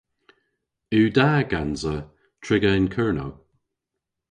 Yw da gansa triga yn Kernow?